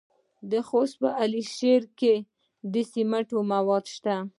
د خوست په علي شیر کې د سمنټو مواد شته.